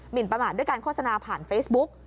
นประมาทด้วยการโฆษณาผ่านเฟซบุ๊ก